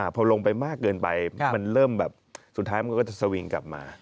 พอลงไปมากเกินไปมันเริ่มแบบสุดท้ายมันก็จะสวิงกลับมา